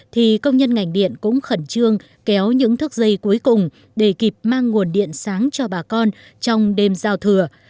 thì công nhân ngành điện cũng khẩn trương kéo những thức giây cuối cùng để kịp mang nguồn điện sáng cho bà con trong đêm giao thừa